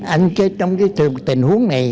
anh trong cái tình huống này